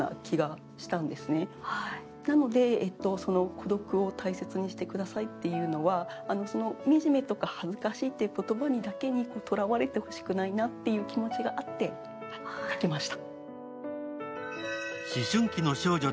孤独を大切にしてくださいというのは、みじめとか恥ずかしいというだけにとらわれてほしくないという思いがあって書きました。